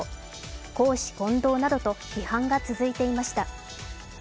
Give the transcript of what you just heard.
公私混同などと批判が続いていました。